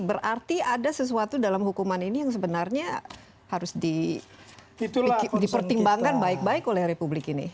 berarti ada sesuatu dalam hukuman ini yang sebenarnya harus dipertimbangkan baik baik oleh republik ini